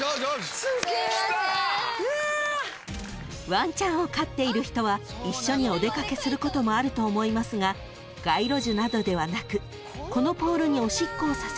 ［ワンちゃんを飼っている人は一緒にお出かけすることもあると思いますが街路樹などではなく］